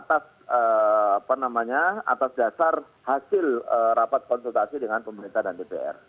atas dasar hasil rapat konsultasi dengan pemerintah dan dpr